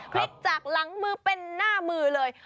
พลิกจากหลังมือเป็นหน้ามือเลย